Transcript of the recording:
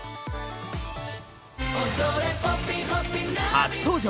初登場！